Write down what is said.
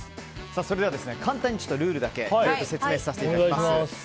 それでは簡単にルールだけ説明させていただきます。